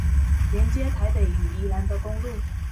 連接臺北與宜蘭的公路